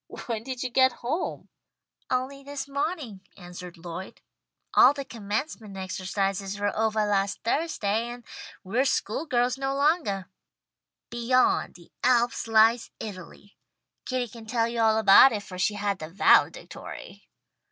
"When did you get home?" "Only this mawning," answered Lloyd. "All the Commencement exercises were ovah last Thursday, and we're school girls no longah. 'Beyond, the Alps lies Italy!' Kitty can tell you all about it, for she had the Valedictory."